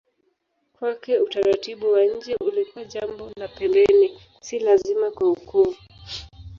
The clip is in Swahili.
Kwake utaratibu wa nje ulikuwa jambo la pembeni, si lazima kwa wokovu.